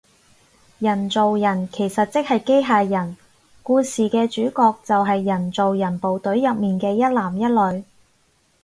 人造人其實即係機械人，故事嘅主角就係人造人部隊入面嘅一男一女